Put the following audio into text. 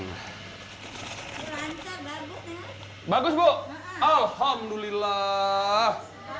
hai bagus bawa alhamdulillah